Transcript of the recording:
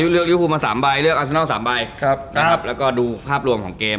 เลือกริ้วปลูลมา๓ใบแล้วก็ดูภาพรวงของเกม